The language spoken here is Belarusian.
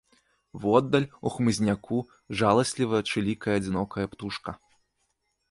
Воддаль, у хмызняку, жаласліва чылікае адзінокая птушка.